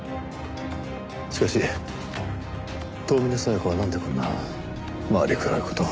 しかし遠峰小夜子はなんでこんな回りくどい事を？